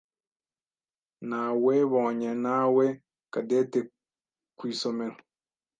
Nawebonye nawe Cadette ku isomero.